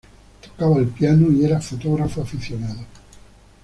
Tocaba el piano y era fotógrafo aficionado.